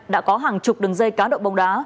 đã có hàng chục đường dây cá độ bóng đá